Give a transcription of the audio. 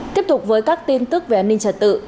tiếp tục với các tin tức về an ninh trật tự